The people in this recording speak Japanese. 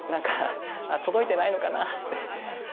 届いてないのかなって。